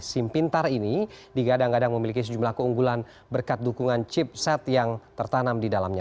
sim pintar ini digadang gadang memiliki sejumlah keunggulan berkat dukungan chip set yang tertanam di dalamnya